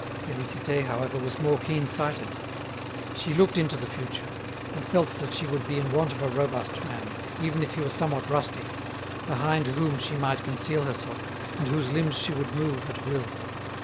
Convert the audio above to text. Félicité, however, was more keen sighted. She looked into the future, and felt that she would be in want of a robust man, even if he were somewhat rustic, behind whom she might conceal herself, and whose limbs she would move at will.